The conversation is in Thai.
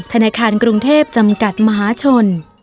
ธนาคารกรุงเทพจำกัดมหาชน